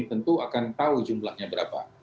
tentu akan tahu jumlahnya berapa